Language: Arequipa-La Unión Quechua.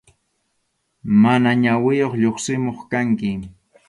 Mana ñawiyuq lluqsimuq kanki.